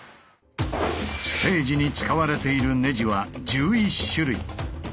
ステージに使われているネジは１１種類。